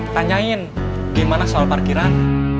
tanyain gimana soal parkiran